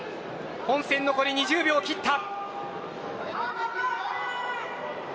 本戦残り２０秒を切った。